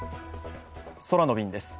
空の便です。